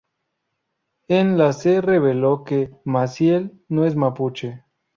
En la se reveló que Maciel no es mapuche.